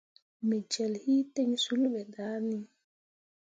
Me jel hi ten sul be dah ni.